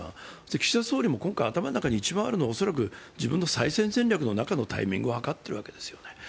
岸田総理も頭の中に一番あるのは恐らく自分の再選戦略の中のタイミングをはかっているわけですよね。